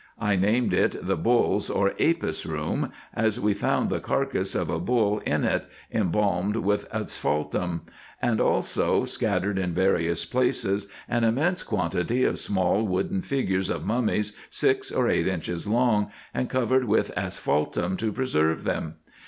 I named it the Bull's, or Apis' Room, as we found the carcass of a bull in it, em balmed with asphaltum ; and also, scattered in various places, an. immense quantity of small wooden figures of mummies six or eight inches long, and covered with asphaltum to preserve them.